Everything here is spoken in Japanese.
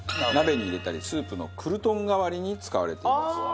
鍋に入れたりスープのクルトン代わりに使われています。